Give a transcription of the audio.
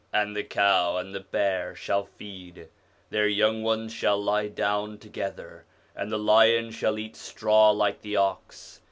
And the cow and the bear shall feed ; their young ones shall lie down together: and the lion shall eat straw like the ox.